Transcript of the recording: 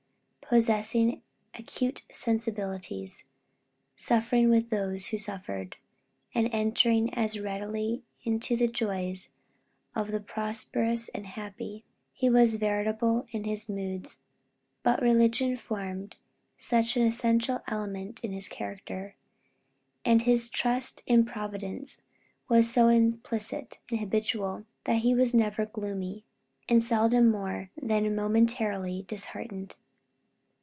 Possessing acute sensibilities, suffering with those who suffered and entering as readily into the joys of the prosperous and happy, he was variable in his moods; but religion formed such an essential element in his character, and his trust in Providence was so implicit and habitual, that he was never gloomy, and seldom more than momentarily disheartened.